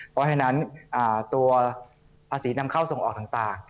เพราะฉะนั้นตัวภาษีนำเข้าส่งออกต่าง